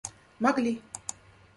могли